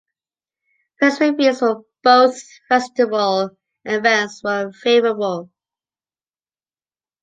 Press reviews for both festival events were favorable.